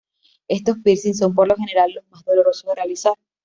Estos piercing son por general los más dolorosos de realizar.